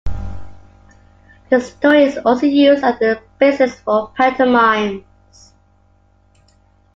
The story is also used as a basis for pantomimes.